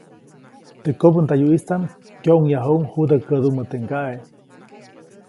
Teʼ kobändayuʼistaʼm kyoʼŋyajuʼuŋ judä kädumä teʼ ŋgaʼe.